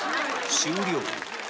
終了